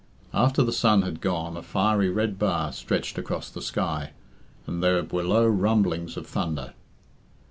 After the sun had gone a fiery red bar stretched across the sky, and there were low rumblings of thunder.